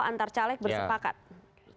antar caleg bersepakat ya